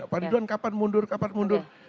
pak ridwan kapan mundur kapan mundur